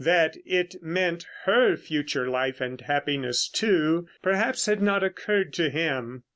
That it meant her future life and happiness, too, perhaps had not occurred to him.